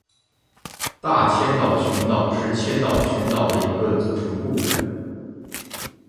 大千岛群岛是千岛群岛的一个组成部分。